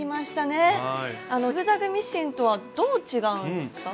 ジグザグミシンとはどう違うんですか？